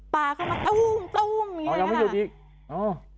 ปลาเข้ามาต้มต้มอยู่เลยค่ะ